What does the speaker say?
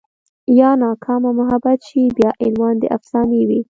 يا ناکامه محبت شي بيا عنوان د افسانې وي